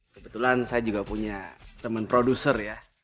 kebetulan saya juga punya teman produser ya